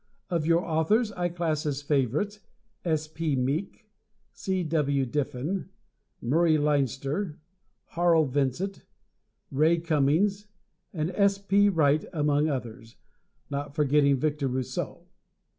Of your authors I class as favorites S. P. Meek, C. W. Diffin, Murray Leinster, Harl Vincent, Ray Cummings and S. P. Wright among others, not forgetting Victor Rousseau.